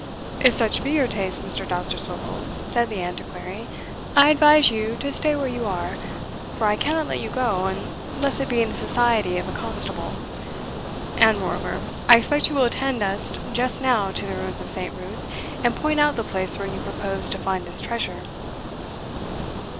"If such be your taste, Mr. Dousterswivel," said the Antiquary, "I advise you to stay where you are, for I cannot let you go, unless it be in the society of a constable; and, moreover, I expect you will attend us just now to the ruins of St. Ruth, and point out the place where you propose to find this treasure."